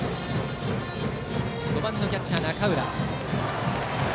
５番キャッチャーの中浦。